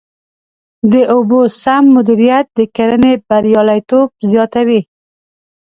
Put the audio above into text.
د اوبو سم مدیریت د کرنې بریالیتوب زیاتوي.